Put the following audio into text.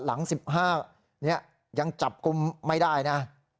หลัง๑๕นี้ยังจับกลุ่มไม่ได้นะ